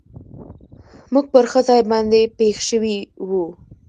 موږ پر ښه ځای باندې پېښ شوي و.